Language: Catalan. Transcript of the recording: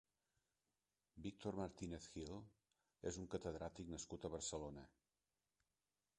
Víctor Martínez-Gil és un catedràtic nascut a Barcelona.